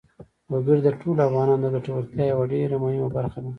وګړي د ټولو افغانانو د ګټورتیا یوه ډېره مهمه برخه ده.